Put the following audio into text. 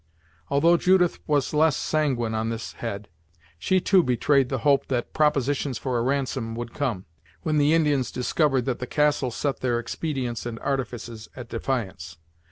Although Judith was less sanguine on this head, she too betrayed the hope that propositions for a ransom would come, when the Indians discovered that the castle set their expedients and artifices at defiance.